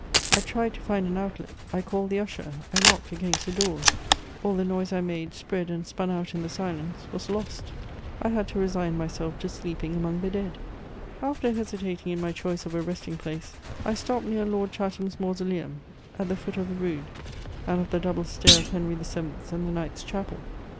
I tried to find an outlet; I called the usher, I knocked against the doors: all the noise I made, spread and spun out in the silence, was lost; I had to resign myself to sleeping among the dead. After hesitating in my choice of a resting place I stopped near Lord Chatham's mausoleum, at the foot of the rood and of the double stair of Henry the Seventh's and the Knights' Chapel.